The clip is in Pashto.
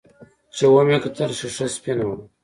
چې ومې کتل ښيښه سپينه وه.